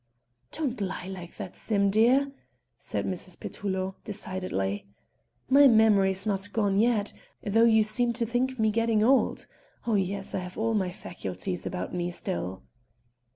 "Don't lie like that, Sim, dear," said Mrs. Petullo, decidedly. "My memory is not gone yet, though you seem to think me getting old. Oh yes! I have all my faculties about me still."